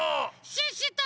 シュッシュと。